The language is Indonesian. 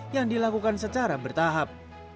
yang dilakukan secara bertahap